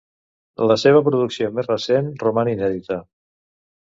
La seva producció més recent roman inèdita.